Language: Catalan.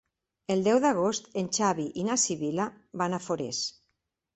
El deu d'agost en Xavi i na Sibil·la van a Forès.